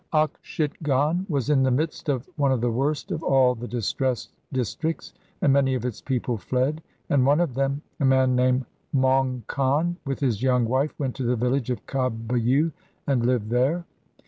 Okshitgon was in the midst of one of the worst of all the distressed districts, and many of its people fled, and one of them, a man named Maung Kan, with his young wife went to the village of Kabyu and lived there.